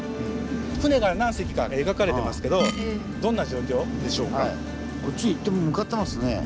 船が何隻か描かれてますけどどんな状況でしょうか？